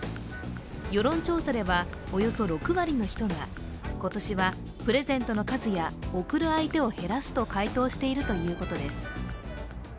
世論調査では、およそ６割の人が今年はプレゼントの数や贈る相手を減らすと回答しているということです。